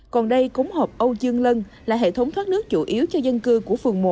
còn đây cống hộp âu dương lân là hệ thống thoát nước chủ yếu cho dân cư của phường một